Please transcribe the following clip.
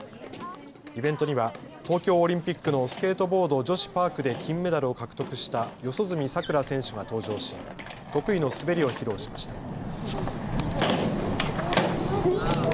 イベントには東京オリンピックのスケートボード女子パークで金メダルを獲得した四十住さくら選手が登場し得意の滑りを披露しました。